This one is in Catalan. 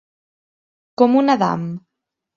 Com un Adam.